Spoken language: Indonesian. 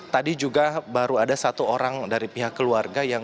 tadi juga baru ada satu orang dari pihak keluarga